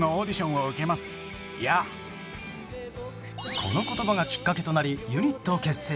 この言葉がきっかけとなりユニット結成。